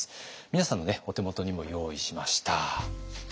皆さんのお手元にも用意しました。